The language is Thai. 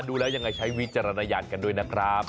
ดูแล้วยังไงใช้วิจารณญาณกันด้วยนะครับ